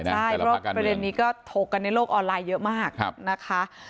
ใช่เพราะประเด็นนี้ก็ถกกันในโลกออนไลน์เยอะมากนะคะ